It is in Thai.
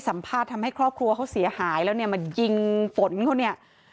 สัมภาษณ์ทำให้ครอบครัวเขาเสียหายแล้วเนี่ยมายิงฝนเขาเนี่ย